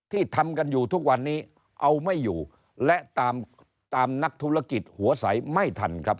ที่ทำกันอยู่ทุกวันนี้เอาไม่อยู่และตามตามนักธุรกิจหัวใสไม่ทันครับ